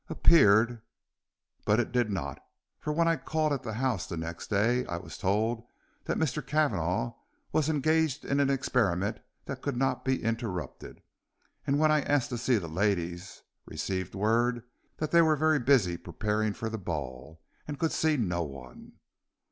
Appeared, but did not; for when I called at the house the next day I was told that Mr. Cavanagh was engaged in an experiment that could not be interrupted, and when I asked to see the ladies received word that they were very busy preparing for the ball and could see no one.